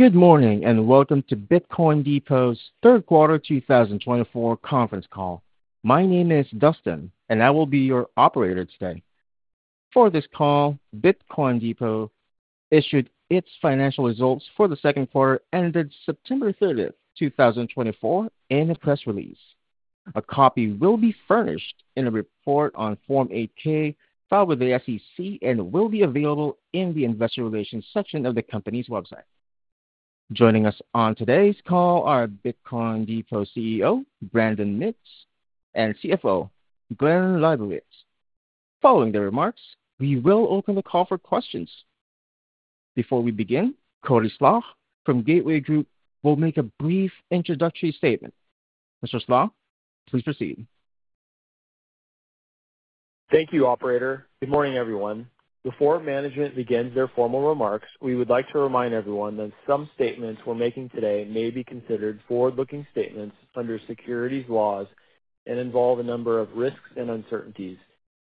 Good morning and welcome to Bitcoin Depot's third quarter 2024 conference call. My name is Dustin, and I will be your operator today. For this call, Bitcoin Depot issued its financial results for the second quarter ended September 30, 2024, in a press release. A copy will be furnished in a report on Form 8-K, filed with the SEC, and will be available in the investor relations section of the company's website. Joining us on today's call are Bitcoin Depot CEO, Brandon Mintz, and CFO, Glen Leibowitz. Following their remarks, we will open the call for questions. Before we begin, Cody Slach from Gateway Group will make a brief introductory statement. Mr. Slach, please proceed. Thank you, Operator. Good morning, everyone. Before management begins their formal remarks, we would like to remind everyone that some statements we're making today may be considered forward-looking statements under securities laws and involve a number of risks and uncertainties.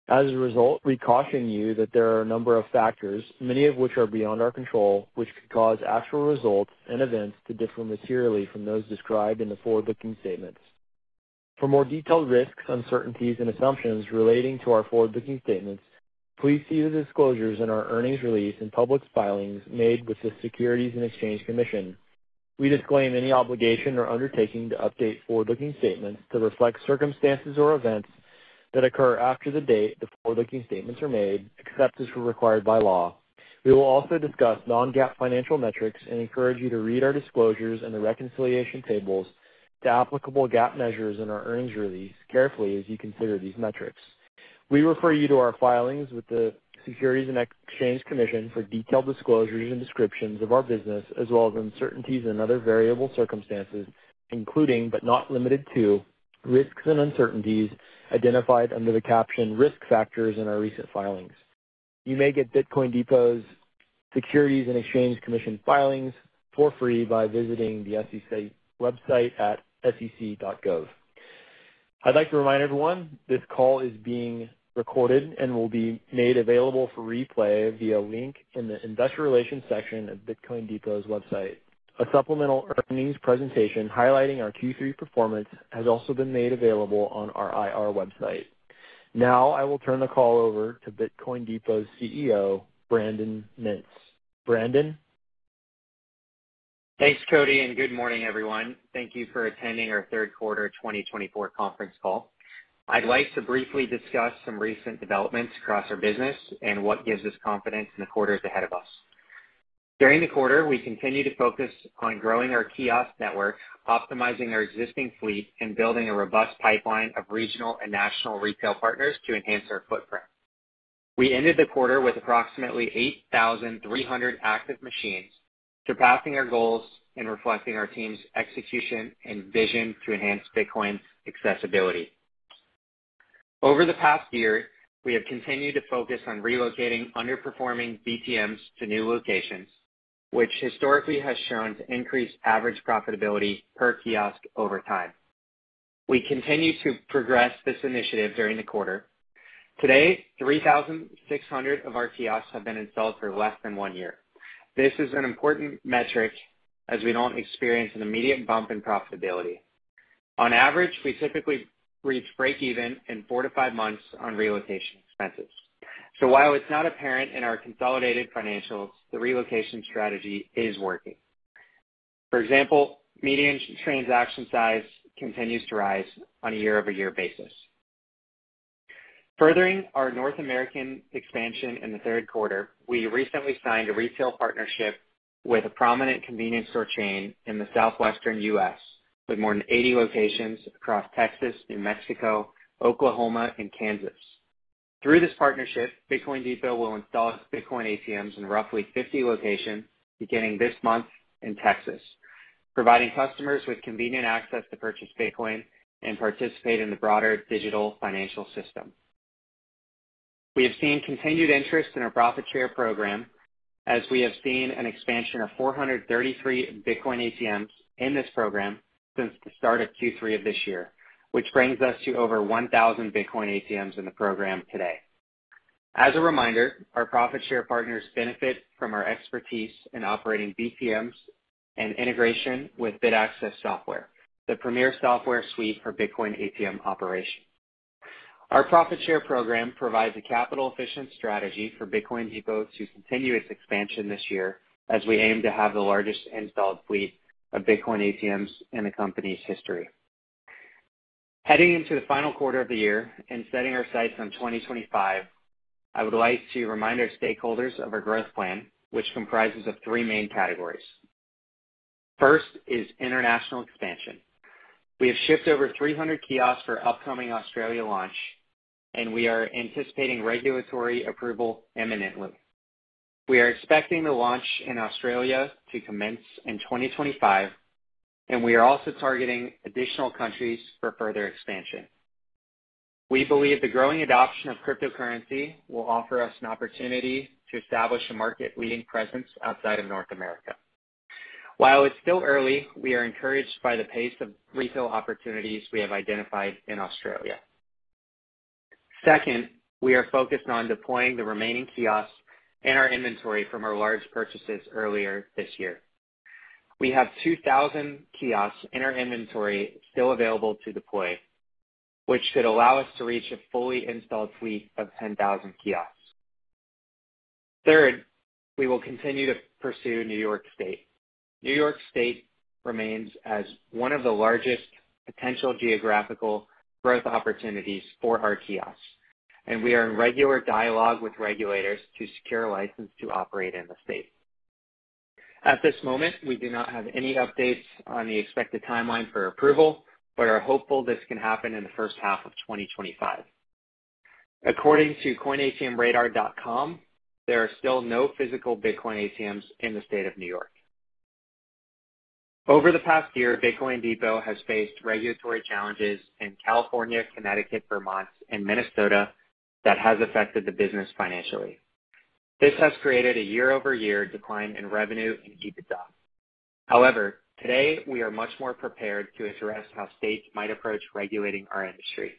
As a result, we caution you that there are a number of factors, many of which are beyond our control, which could cause actual results and events to differ materially from those described in the forward-looking statements. For more detailed risks, uncertainties, and assumptions relating to our forward-looking statements, please see the disclosures in our earnings release and public filings made with the Securities and Exchange Commission. We disclaim any obligation or undertaking to update forward-looking statements to reflect circumstances or events that occur after the date the forward-looking statements are made, except as required by law. We will also discuss non-GAAP financial metrics and encourage you to read our disclosures and the reconciliation tables to applicable GAAP measures in our earnings release carefully as you consider these metrics. We refer you to our filings with the Securities and Exchange Commission for detailed disclosures and descriptions of our business, as well as uncertainties and other variable circumstances, including, but not limited to, risks and uncertainties identified under the caption "Risk Factors" in our recent filings. You may get Bitcoin Depot's Securities and Exchange Commission filings for free by visiting the SEC website at SEC.gov. I'd like to remind everyone this call is being recorded and will be made available for replay via a link in the investor relations section of Bitcoin Depot's website. A supplemental earnings presentation highlighting our Q3 performance has also been made available on our IR website. Now I will turn the call over to Bitcoin Depot's CEO, Brandon Mintz. Brandon. Thanks, Cody, and good morning, everyone. Thank you for attending our third quarter 2024 conference call. I'd like to briefly discuss some recent developments across our business and what gives us confidence in the quarters ahead of us. During the quarter, we continue to focus on growing our kiosk network, optimizing our existing fleet, and building a robust pipeline of regional and national retail partners to enhance our footprint. We ended the quarter with approximately 8,300 active machines, surpassing our goals and reflecting our team's execution and vision to enhance Bitcoin's accessibility. Over the past year, we have continued to focus on relocating underperforming BTMs to new locations, which historically has shown to increase average profitability per kiosk over time. We continue to progress this initiative during the quarter. Today, 3,600 of our kiosks have been installed for less than one year. This is an important metric as we don't experience an immediate bump in profitability. On average, we typically reach break-even in four to five months on relocation expenses. So while it's not apparent in our consolidated financials, the relocation strategy is working. For example, median transaction size continues to rise on a year-over-year basis. Furthering our North American expansion in the third quarter, we recently signed a retail partnership with a prominent convenience store chain in the southwestern U.S., with more than 80 locations across Texas, New Mexico, Oklahoma, and Kansas. Through this partnership, Bitcoin Depot will install its Bitcoin ATMs in roughly 50 locations beginning this month in Texas, providing customers with convenient access to purchase Bitcoin and participate in the broader digital financial system. We have seen continued interest in our profit-share program as we have seen an expansion of 433 Bitcoin ATMs in this program since the start of Q3 of this year, which brings us to over 1,000 Bitcoin ATMs in the program today. As a reminder, our profit-share partners benefit from our expertise in operating BTMs and integration with Bitaccess software, the premier software suite for Bitcoin ATM operation. Our profit-share program provides a capital-efficient strategy for Bitcoin Depot to continue its expansion this year as we aim to have the largest installed fleet of Bitcoin ATMs in the company's history. Heading into the final quarter of the year and setting our sights on 2025, I would like to remind our stakeholders of our growth plan, which comprises three main categories. First is international expansion. We have shipped over 300 kiosks for upcoming Australia launch, and we are anticipating regulatory approval imminently. We are expecting the launch in Australia to commence in 2025, and we are also targeting additional countries for further expansion. We believe the growing adoption of cryptocurrency will offer us an opportunity to establish a market-leading presence outside of North America. While it's still early, we are encouraged by the pace of retail opportunities we have identified in Australia. Second, we are focused on deploying the remaining kiosks and our inventory from our large purchases earlier this year. We have 2,000 kiosks in our inventory still available to deploy, which should allow us to reach a fully installed fleet of 10,000 kiosks. Third, we will continue to pursue New York State. New York State remains as one of the largest potential geographical growth opportunities for our kiosks, and we are in regular dialogue with regulators to secure a license to operate in the state. At this moment, we do not have any updates on the expected timeline for approval, but are hopeful this can happen in the first half of 2025. According to CoinATMRadar.com, there are still no physical Bitcoin ATMs in the state of New York. Over the past year, Bitcoin Depot has faced regulatory challenges in California, Connecticut, Vermont, and Minnesota that have affected the business financially. This has created a year-over-year decline in revenue and EBITDA. However, today, we are much more prepared to address how states might approach regulating our industry,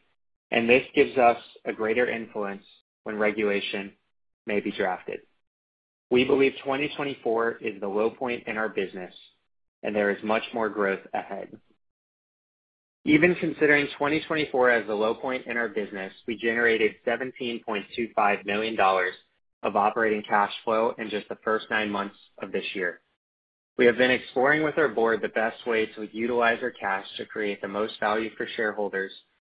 and this gives us a greater influence when regulation may be drafted. We believe 2024 is the low point in our business, and there is much more growth ahead. Even considering 2024 as the low point in our business, we generated $17.25 million of operating cash flow in just the first nine months of this year. We have been exploring with our board the best way to utilize our cash to create the most value for shareholders,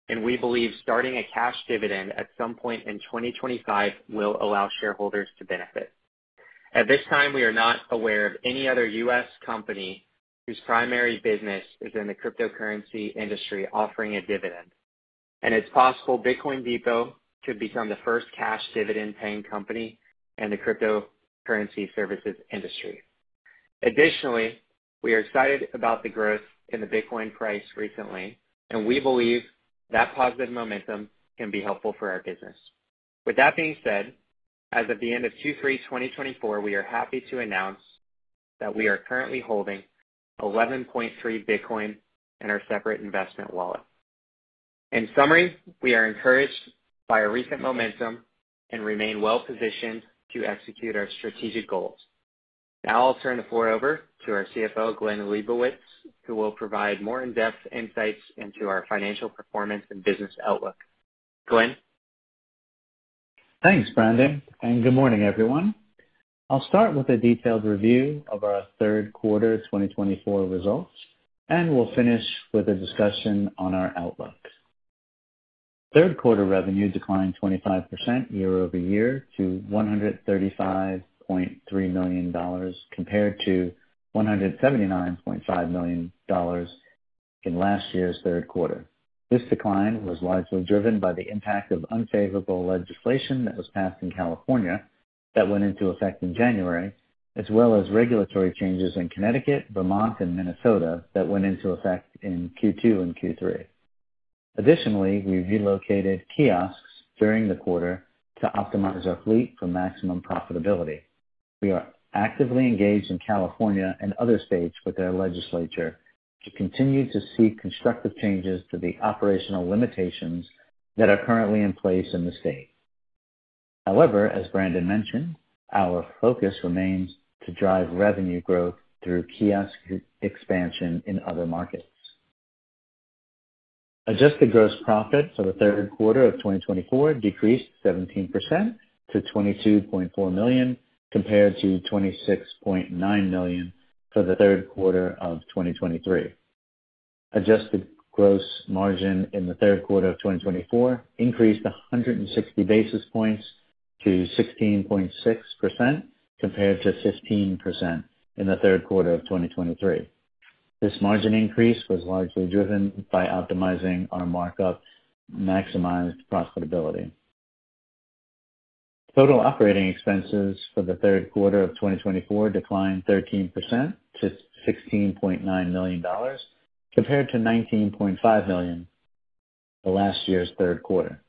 and we believe starting a cash dividend at some point in 2025 will allow shareholders to benefit. At this time, we are not aware of any other U.S. company whose primary business is in the cryptocurrency industry offering a dividend, and it's possible Bitcoin Depot could become the first cash dividend-paying company in the cryptocurrency services industry. Additionally, we are excited about the growth in the Bitcoin price recently, and we believe that positive momentum can be helpful for our business. With that being said, as of the end of Q3 2024, we are happy to announce that we are currently holding 11.3 BTC in our separate investment wallet. In summary, we are encouraged by our recent momentum and remain well-positioned to execute our strategic goals. Now I'll turn the floor over to our CFO, Glen Leibowitz, who will provide more in-depth insights into our financial performance and business outlook. Glen. Thanks, Brandon, and good morning, everyone. I'll start with a detailed review of our third quarter 2024 results, and we'll finish with a discussion on our outlook. Third quarter revenue declined 25% year-over-year to $135.3 million compared to $179.5 million in last year's third quarter. This decline was largely driven by the impact of unfavorable legislation that was passed in California that went into effect in January, as well as regulatory changes in Connecticut, Vermont, and Minnesota that went into effect in Q2 and Q3. Additionally, we relocated kiosks during the quarter to optimize our fleet for maximum profitability. We are actively engaged in California and other states with our legislature to continue to seek constructive changes to the operational limitations that are currently in place in the state. However, as Brandon mentioned, our focus remains to drive revenue growth through kiosk expansion in other markets. Adjusted gross profit for the third quarter of 2024 decreased 17% to $22.4 million compared to $26.9 million for the third quarter of 2023. Adjusted gross margin in the third quarter of 2024 increased 160 basis points to 16.6% compared to 15% in the third quarter of 2023. This margin increase was largely driven by optimizing our markup to maximize profitability. Total operating expenses for the third quarter of 2024 declined 13% to $16.9 million compared to $19.5 million the last year's third quarter.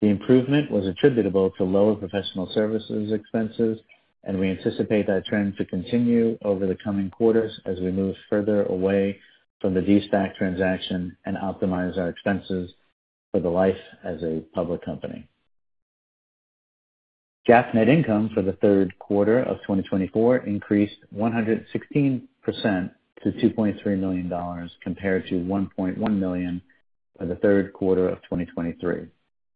The improvement was attributable to lower professional services expenses, and we anticipate that trend to continue over the coming quarters as we move further away from the de-SPAC transaction and optimize our expenses for the life as a public company. GAAP net income for the third quarter of 2024 increased 116% to $2.3 million compared to $1.1 million for the third quarter of 2023.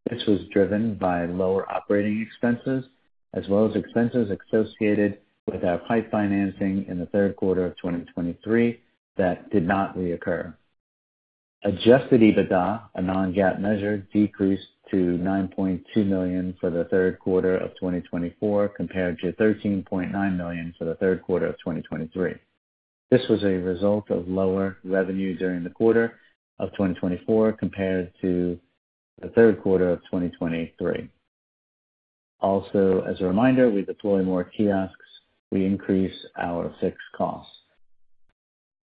This was driven by lower operating expenses as well as expenses associated with our PIPE financing in the third quarter of 2023 that did not recur. Adjusted EBITDA, a non-GAAP measure, decreased to $9.2 million for the third quarter of 2024 compared to $13.9 million for the third quarter of 2023. This was a result of lower revenue during the quarter of 2024 compared to the third quarter of 2023. Also, as a reminder, we deploy more kiosks. We increase our fixed costs.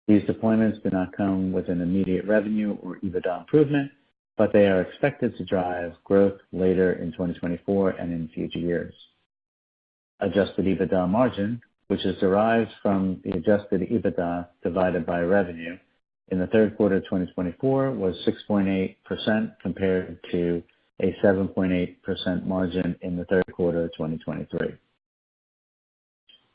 These deployments do not come with an immediate revenue or EBITDA improvement, but they are expected to drive growth later in 2024 and in future years. Adjusted EBITDA margin, which is derived from the adjusted EBITDA divided by revenue in the third quarter of 2024, was 6.8% compared to a 7.8% margin in the third quarter of 2023.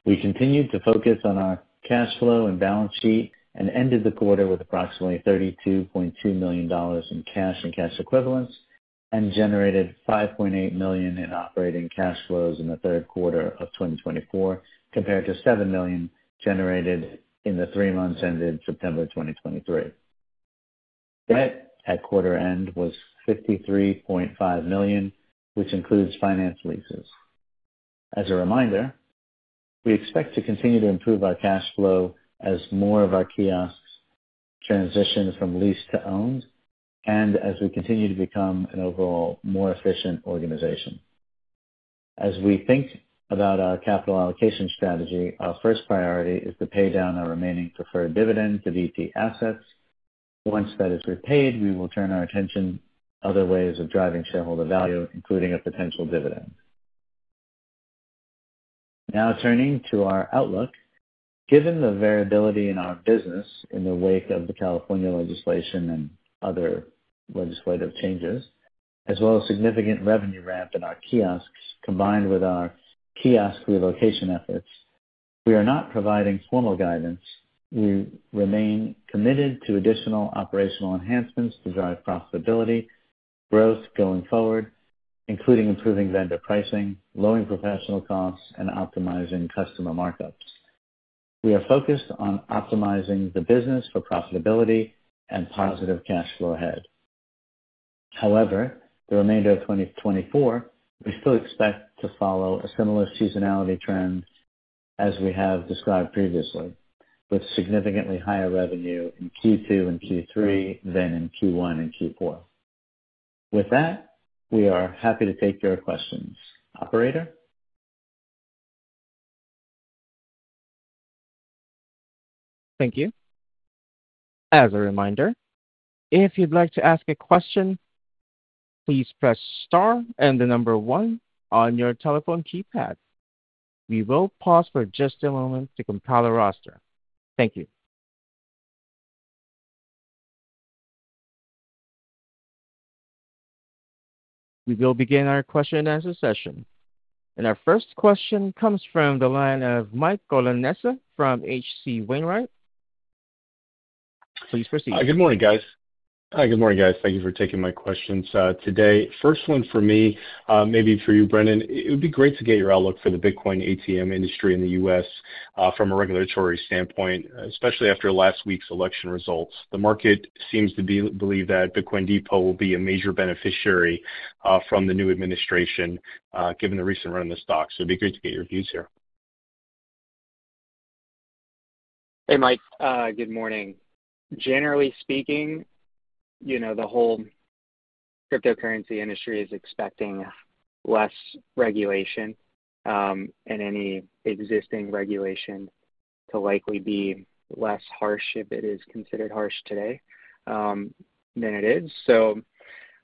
We continued to focus on our cash flow and balance sheet and ended the quarter with approximately $32.2 million in cash and cash equivalents and generated $5.8 million in operating cash flows in the third quarter of 2024 compared to $7 million generated in the three months ended September 2023. Debt at quarter end was $53.5 million, which includes finance leases. As a reminder, we expect to continue to improve our cash flow as more of our kiosks transition from leased to owned and as we continue to become an overall more efficient organization. As we think about our capital allocation strategy, our first priority is to pay down our remaining preferred dividend to BT Assets. Once that is repaid, we will turn our attention to other ways of driving shareholder value, including a potential dividend. Now turning to our outlook, given the variability in our business in the wake of the California legislation and other legislative changes, as well as significant revenue ramp in our kiosks combined with our kiosk relocation efforts, we are not providing formal guidance. We remain committed to additional operational enhancements to drive profitability growth going forward, including improving vendor pricing, lowering professional costs, and optimizing customer markups. We are focused on optimizing the business for profitability and positive cash flow ahead. However, for the remainder of 2024, we still expect to follow a similar seasonality trend as we have described previously, with significantly higher revenue in Q2 and Q3 than in Q1 and Q4. With that, we are happy to take your questions, operator. Thank you. As a reminder, if you'd like to ask a question, please press star and the number one on your telephone keypad. We will pause for just a moment to compile a roster. Thank you. We will begin our question and answer session, and our first question comes from the line of Mike Colonnese from H.C. Wainwright. Please proceed. Hi, good morning, guys. Thank you for taking my questions today. First one for me, maybe for you, Brandon, it would be great to get your outlook for the Bitcoin ATM industry in the U.S. from a regulatory standpoint, especially after last week's election results. The market seems to believe that Bitcoin Depot will be a major beneficiary from the new administration given the recent run in the stock. So it'd be great to get your views here. Hey, Mike. Good morning. Generally speaking, you know the whole cryptocurrency industry is expecting less regulation and any existing regulation to likely be less harsh if it is considered harsh today than it is. So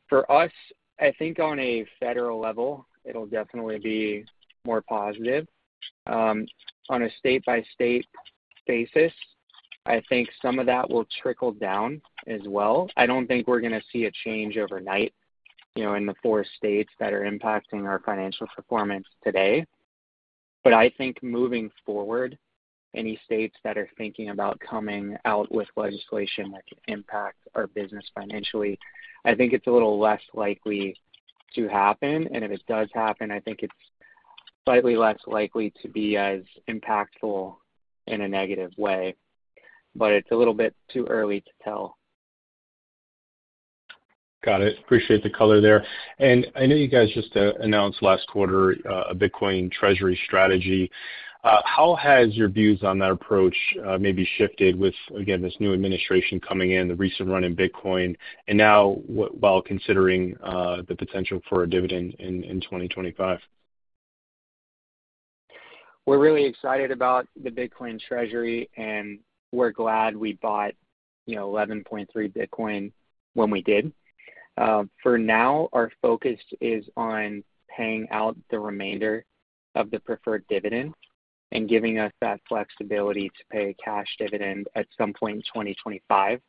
for us, I think on a federal level, it'll definitely be more positive. On a state-by-state basis, I think some of that will trickle down as well. I don't think we're going to see a change overnight, you know, in the four states that are impacting our financial performance today. But I think moving forward, any states that are thinking about coming out with legislation that can impact our business financially, I think it's a little less likely to happen. And if it does happen, I think it's slightly less likely to be as impactful in a negative way. But it's a little bit too early to tell. Got it. Appreciate the color there. And I know you guys just announced last quarter a Bitcoin treasury strategy. How has your views on that approach maybe shifted with, again, this new administration coming in, the recent run in Bitcoin, and now while considering the potential for a dividend in 2025? We're really excited about the Bitcoin treasury, and we're glad we bought, you know, 11.3 Bitcoin when we did. For now, our focus is on paying out the remainder of the preferred dividend and giving us that flexibility to pay a cash dividend at some point in 2025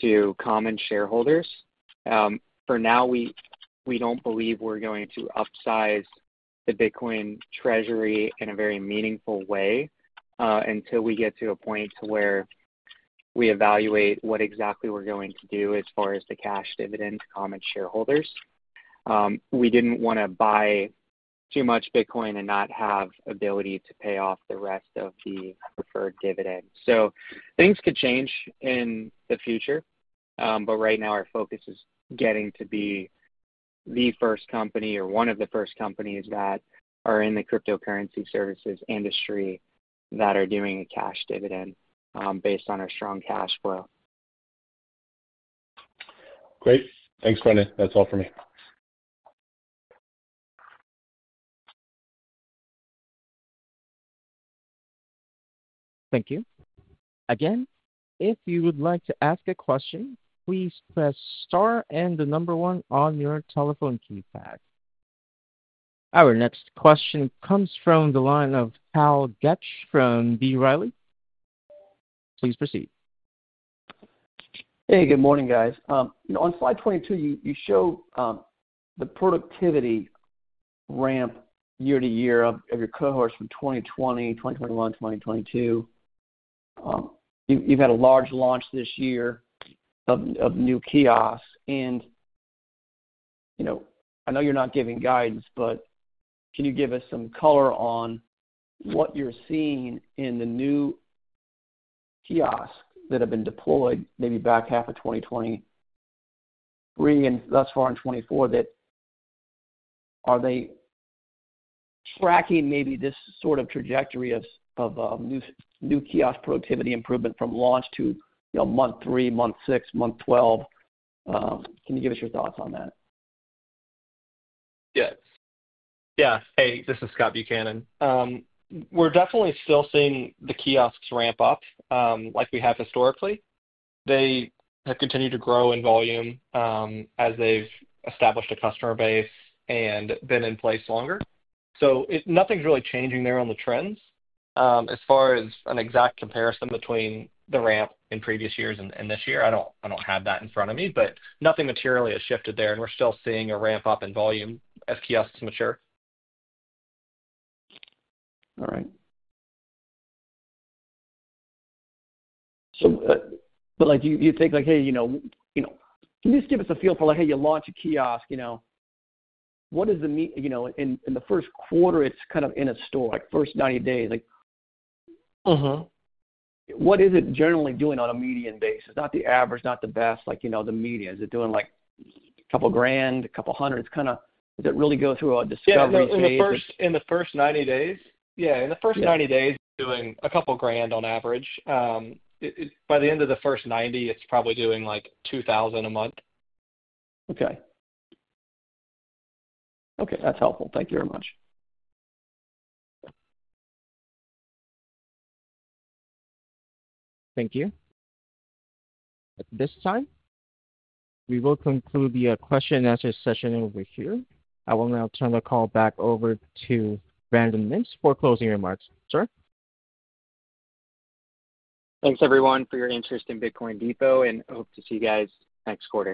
to common shareholders. For now, we don't believe we're going to upsize the Bitcoin treasury in a very meaningful way until we get to a point to where we evaluate what exactly we're going to do as far as the cash dividend to common shareholders. We didn't want to buy too much Bitcoin and not have the ability to pay off the rest of the preferred dividend. So things could change in the future, but right now, our focus is getting to be the first company or one of the first companies that are in the cryptocurrency services industry that are doing a cash dividend based on our strong cash flow. Great. Thanks, Brandon. That's all for me. Thank you. Again, if you would like to ask a question, please press star and the number one on your telephone keypad. Our next question comes from the line of Hal Goetsch from B. Riley. Please proceed. Hey, good morning, guys. On slide 22, you show the productivity ramp year to year of your cohorts from 2020, 2021, 2022. You've had a large launch this year of new kiosks, and I know you're not giving guidance, but can you give us some color on what you're seeing in the new kiosks that have been deployed maybe back half of 2023 and thus far in 2024? Are they tracking maybe this sort of trajectory of new kiosk productivity improvement from launch to month three, month six, month twelve? Can you give us your thoughts on that? Yeah. Yeah. Hey, this is Scott Buchanan. We're definitely still seeing the kiosks ramp up like we have historically. They have continued to grow in volume as they've established a customer base and been in place longer. So nothing's really changing there on the trends. As far as an exact comparison between the ramp in previous years and this year, I don't have that in front of me, but nothing materially has shifted there, and we're still seeing a ramp up in volume as kiosks mature. All right. So you think, like, hey, you know, can you just give us a feel for, like, hey, you launch a kiosk, you know, what is the, you know, in the first quarter, it's kind of in a store, like first 90 days. What is it generally doing on a median basis, not the average, not the best, like, you know, the median? Is it doing like a couple grand, a couple hundred? It's kind of, does it really go through a discovery phase? In the first 90 days, yeah, in the first 90 days, it's doing a couple grand on average. By the end of the first 90, it's probably doing like $2,000 a month. Okay. Okay. That's helpful. Thank you very much. Thank you. At this time, we will conclude the question and answer session over here. I will now turn the call back over to Brandon Mintz for closing remarks. Sir. Thanks, everyone, for your interest in Bitcoin Depot, and hope to see you guys next quarter.